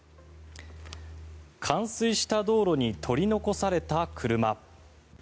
冠水した道路に取り残された車。